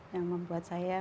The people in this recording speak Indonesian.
yang membuat saya